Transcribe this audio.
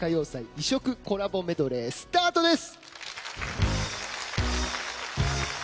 異色コラボメドレースタートです。